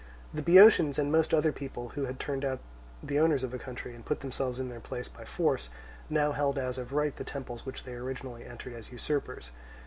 The Boeotians and most other people who had turned out the owners of a country, and put themselves in their places by force, now held as of right the temples which they originally entered as usurpers.